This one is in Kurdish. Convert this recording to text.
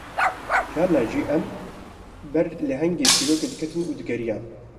Carnan jî em ber lehengê çîrokê diketin û digiriyan